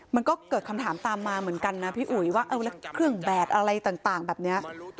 มันก็เกิดคำถามตามมาเหมือนกันนะพี่อุ๋ยว่าเออแล้วเครื่องแบบอะไรต่างแบบนี้